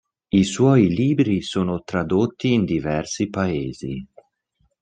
I suoi libri sono tradotti in diversi Paesi.